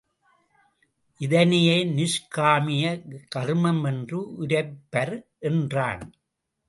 இதனையே நிஷ்காமிய கர்மம் என்று உரைப்பர் என்றான்.